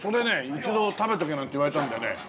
一度食べておけなんて言われたんでね。